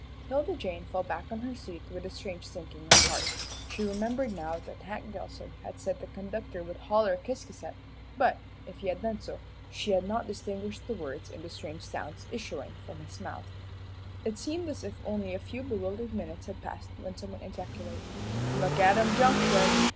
'Tilda Jane fell back on her seat with a strange sinking of heart. She remembered now that Hank Dillson had said the conductor would "holler" Ciscasset; but, if he had done so, she had not distinguished the words in the strange sounds issuing from his mouth. It seemed as if only a few bewildered minutes had passed when someone ejaculated, "McAdam Junction!"